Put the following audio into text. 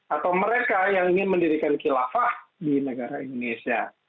atau mereka yang ingin mendirikan kilafah di negara indonesia